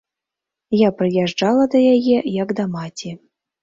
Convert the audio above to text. Я прыязджала да яе як да маці.